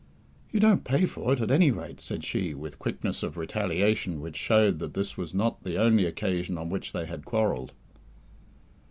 "You don't pay for it, at any rate!" said she, with quickness of retaliation which showed that this was not the only occasion on which they had quarrelled.